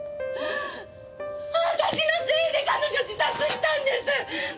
私のせいで彼女自殺したんです！